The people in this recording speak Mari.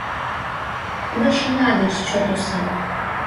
Тудо шыҥа деч чот осал.